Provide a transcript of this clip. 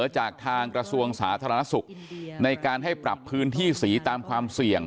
จากทางกระทรวงสาธารณสุขในการให้ปรับพื้นที่สีตามความเสี่ยง